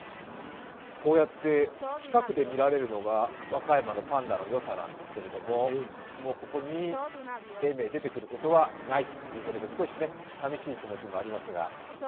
こうやって近くで見られるのが和歌山のパンダの良さなんですけれども、もうここに永明が出てくることはないということで、少し寂しい気持ちもありますが。